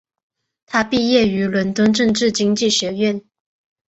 他毕业于伦敦政治经济学院。